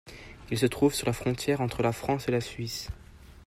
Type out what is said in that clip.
Il se trouve sur la frontière entre la France et la Suisse.